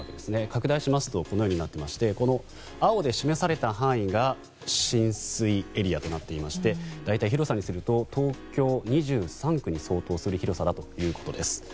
拡大しますとこうなっていまして青で示された範囲が浸水エリアとなっていまして大体、広さにすると東京２３区に相当する広さだということです。